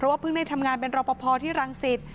เพิ่งได้ทำงานเป็นรอปภที่รังสิต